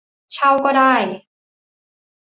เช่าก็ได้